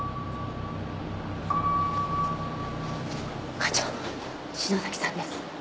課長篠崎さんです。